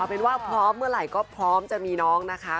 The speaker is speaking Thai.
เป็นว่าพร้อมเมื่อไหร่ก็พร้อมจะมีน้องนะคะ